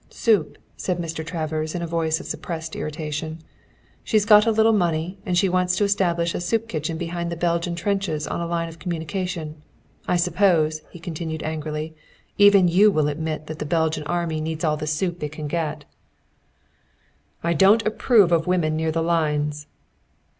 "Soup," said Mr. Travers in a voice of suppressed irritation. "She's got a little money, and she wants to establish a soup kitchen behind the Belgian trenches on a line of communication. I suppose," he continued angrily, "even you will admit that the Belgian Army needs all the soup it can get." "I don't approve of women near the lines."